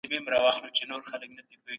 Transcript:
بد نيت مه لرئ.